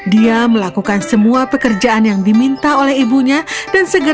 dia melakukan semua pekerjaan yang diminta oleh ibunya dan segera pulang ke rumah